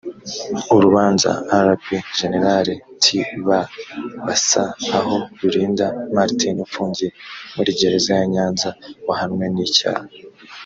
urubanza rp gen tb bsa aho rulinda martin ufungiye muri gereza ya nyanza wahamwe n icyaha